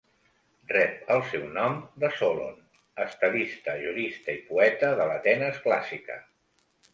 Rep el seu nom de Solon, estadista, jurista i poeta de l"Atenes clàssica.